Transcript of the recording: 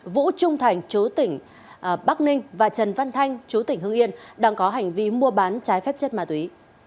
vũ trung thành chú tỉnh bắc ninh và trần văn thanh chú tỉnh hưng yên đang có hành vi mua bán trái phép chất ma túy